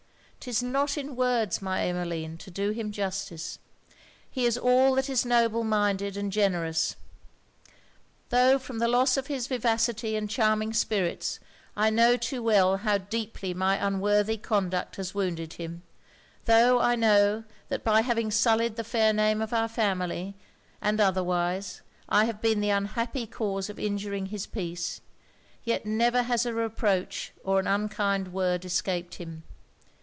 'Tis not in words, my Emmeline, to do him justice! He is all that is noble minded and generous. Tho' from the loss of his vivacity and charming spirits, I know too well how deeply my unworthy conduct has wounded him; tho' I know, that by having sullied the fair name of our family, and otherwise, I have been the unhappy cause of injuring his peace, yet never has a reproach or an unkind word escaped him.